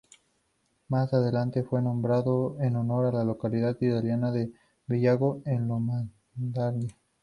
Más adelante fue nombrado en honor a la localidad italiana de Bellagio, en Lombardía.